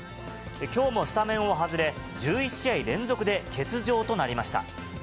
きょうもスタメンを外れ、１１試合連続で欠場となりました。